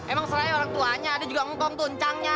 emang selain orang tuanya dia juga ngontong tuncangnya